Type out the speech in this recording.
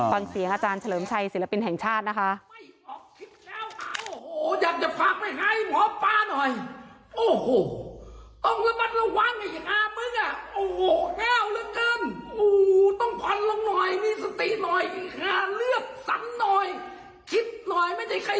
ฟังเสียงอาจารย์เฉลิมชัยศิลปินแห่งชาตินะคะ